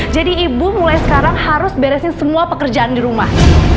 jadi ibu mulai sekarang harus beresin semua pekerjaan di rumah